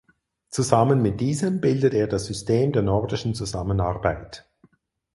Zusammen mit diesem bildet er das System der Nordischen Zusammenarbeit.